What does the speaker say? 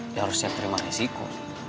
ya harus siap terima risiko